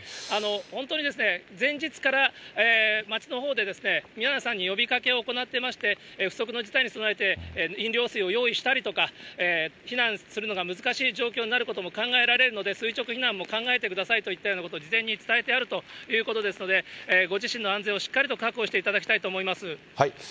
本当に前日から、町のほうで皆さんに呼びかけを行っていまして、不測の事態に備えて、飲料水を用意したりとか、避難するのが難しい状況になることも考えられるので、垂直避難も考えてくださいといったようなこと、事前に伝えてあるということですので、ご自身の安全をしっかりと確保していただきたいと思います。